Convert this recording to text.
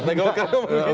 partai golkar ngomong gitu